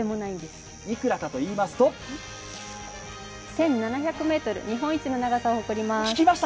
いくらかといいますと１７００ｍ、日本一の長さを誇ります。